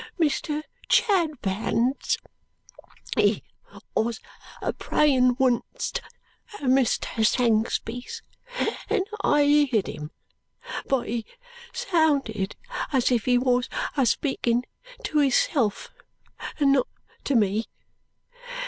Mr. Chadbands he wos a prayin wunst at Mr. Sangsby's and I heerd him, but he sounded as if he wos a speakin to hisself, and not to me.